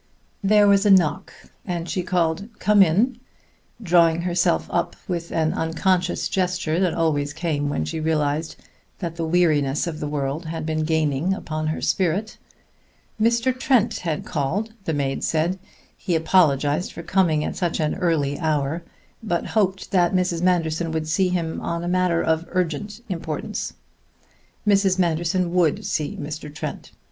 There was a knock, and she called, "Come in!" drawing herself up with an unconscious gesture that always came when she realized that the weariness of the world had been gaining upon her spirit. Mr. Trent had called, the maid said; he apologized for coming at such an early hour, but hoped that Mrs. Manderson would see him on a matter of urgent importance. Mrs. Manderson would see Mr. Trent.